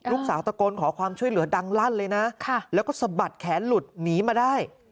ลูกสาวตกลขอความช่วยเหลือดังลั่นเลยนะ